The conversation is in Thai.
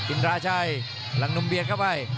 อินทราชัยหลังหนุ่มเบียดเข้าไป